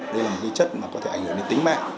đây là một vi chất mà có thể ảnh hưởng đến tính mạng